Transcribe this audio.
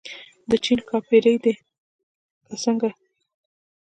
د چین ښاپېرۍ دي که څنګه.